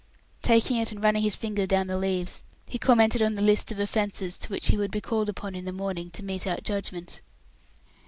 Taking it and running his finger down the leaves, he commented on the list of offences to which he would be called upon in the morning to mete out judgment.